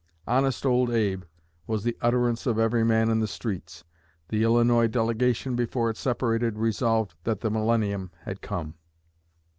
'Honest Old Abe' was the utterance of every man in the streets. The Illinois delegation before it separated 'resolved' that the millennium had come."